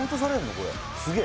これすげえ